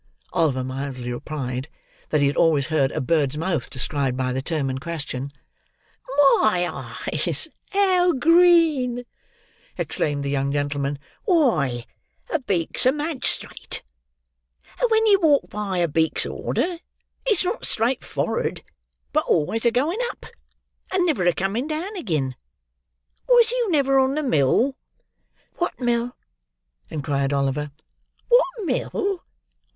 Oliver mildly replied, that he had always heard a bird's mouth described by the term in question. "My eyes, how green!" exclaimed the young gentleman. "Why, a beak's a madgst'rate; and when you walk by a beak's order, it's not straight forerd, but always agoing up, and niver a coming down agin. Was you never on the mill?" "What mill?" inquired Oliver. "What mill!